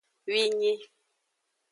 Winyi.